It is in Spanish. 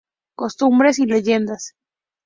Costumbres y leyendas–.